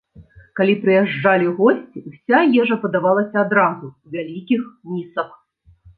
Калі прыязджалі госці, уся ежа падавалася адразу, у вялікіх місах.